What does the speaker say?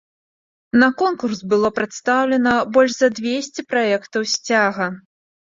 На конкурс было прадстаўлена больш за дзвесце праектаў сцяга.